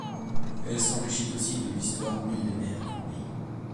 Elle s’enrichit aussi de l’histoire millénaire du pays.